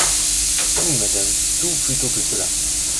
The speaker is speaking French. Tout, madame, tout plutôt que cela !